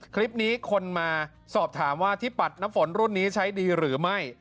คลิปนี้คนมาสอบถามว่าที่ปัดน้ำฝนรุ่นนี้ใช้ดีหรือไม่